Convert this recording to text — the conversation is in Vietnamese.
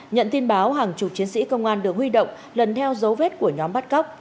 nhận tin báo hàng chục chiến sĩ công an được huy động lần theo dấu vết của nhóm bắt cóc